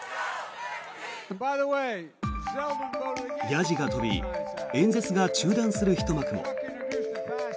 やじが飛び演説が中断するひと幕も。